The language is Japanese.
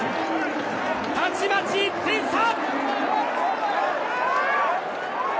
たちまち１点差！